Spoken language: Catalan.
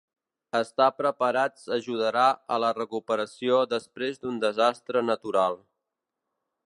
Estar preparats ajudarà a la recuperació després d'un desastre natural.